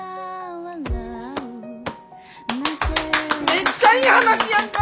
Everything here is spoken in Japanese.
めっちゃいい話やんか！